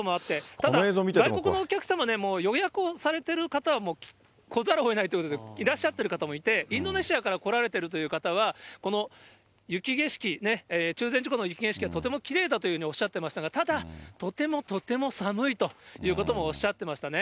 ただ、外国のお客様、予約をされてるんで、もう来ざるをえないということで、いらっしゃってる方もいて、インドネシアから来られている方は、この中禅寺湖の雪景色がとてもきれいだというふうにおっしゃってましたが、ただ、とてもとても寒いということもおっしゃってましたね。